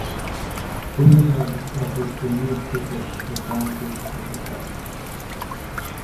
Trinidad started to move to take advantage of the cut.